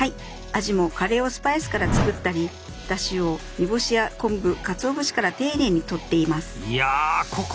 味もカレーをスパイスから作ったりだしをにぼしや昆布かつお節から丁寧にとっています。